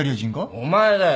お前だよ！